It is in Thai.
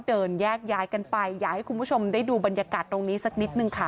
เดินแยกย้ายกันไปอยากให้คุณผู้ชมได้ดูบรรยากาศตรงนี้สักนิดนึงค่ะ